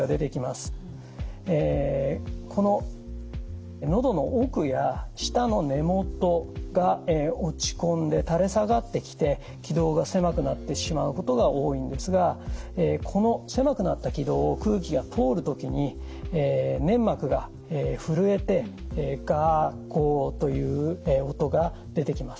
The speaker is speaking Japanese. こののどの奥や舌の根もとが落ち込んで垂れ下がってきて気道が狭くなってしまうことが多いんですがこの狭くなった気道を空気が通る時に粘膜が震えて「ガ」「ゴ」という音が出てきます。